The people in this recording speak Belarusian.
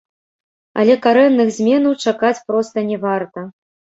Але карэнных зменаў чакаць проста не варта.